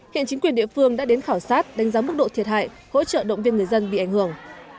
hiện chính quyền địa phương đã đến khảo sát đánh giá mức độ thiệt hại hỗ trợ động viên người dân bị ảnh hưởng